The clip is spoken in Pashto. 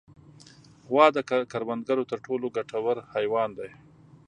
غوا د کروندګرو تر ټولو ګټور حیوان دی.